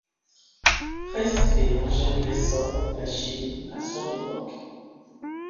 Priestley rejette l'essor de la chimie à son époque.